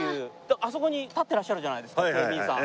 あそこに立ってらっしゃるじゃないですか警備員さん。